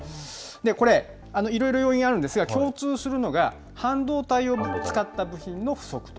これ、いろいろ要因あるんですが、共通するのが半導体を使った部品の不足と。